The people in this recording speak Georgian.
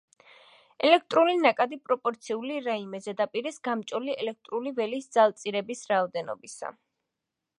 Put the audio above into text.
ელექტრული ნაკადი პროპორციული რაიმე ზედაპირის გამჭოლი ელექტრული ველის ძალწირების რაოდენობისა.